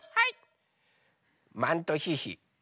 マントヒヒ。